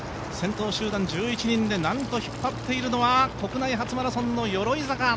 先頭集団１１人でなんと引っ張っているのは国内初マラソンの鎧坂。